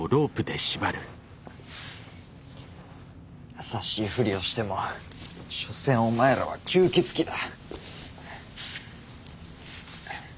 優しいふりをしても所詮お前らは吸血鬼だ。